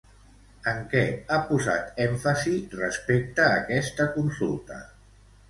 En què ha posat èmfasi, respecte aquesta consulta?